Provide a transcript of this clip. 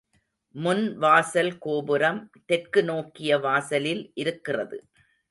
முன் வாசல் கோபுரம் தெற்கு நோக்கிய வாசலில் இருக்கிறது.